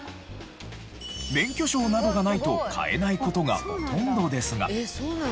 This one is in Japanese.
免許証などがないと買えない事がほとんどですが。